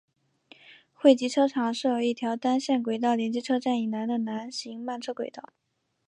汇集车厂设有一条单线轨道连接车站以南的南行慢车轨道。